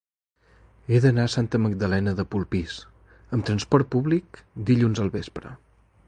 He d'anar a Santa Magdalena de Polpís amb transport públic dilluns al vespre.